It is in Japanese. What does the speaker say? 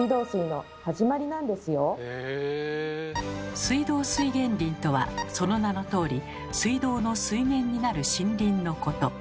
水道水源林とはその名のとおり水道の水源になる森林のこと。